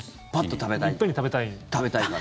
食べたいから。